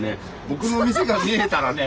僕の店が見えたらね。